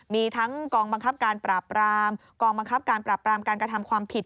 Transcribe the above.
มีทั้งกองบังคับการปราบรามกองบังคับการปราบปรามการกระทำความผิด